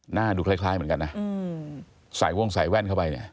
หน้าดูคล้ายเหมือนกันนะใส่วงใส่แว่นเข้าไปเนี่ย